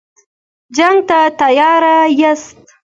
جنګ ته تیار یاست.